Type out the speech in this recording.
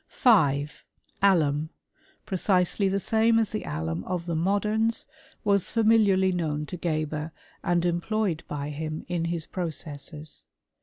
5. Alum, precisely the same as the alum of the modems, was familiarly known to Geber, and em ployed by him in his processes.